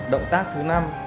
động tác thứ năm